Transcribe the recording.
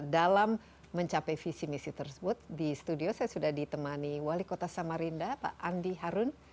dalam mencapai visi misi tersebut di studio saya sudah ditemani wali kota samarinda pak andi harun